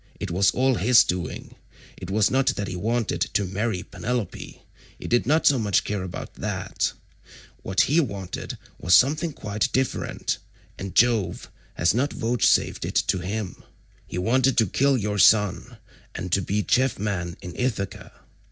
It was all his doing. It was not that he wanted to marry Penelope; he did not so much care about that; what he wanted was something quite different, and Jove has not vouchsafed it to him; he wanted to kill your son and to be chief man in Ithaca.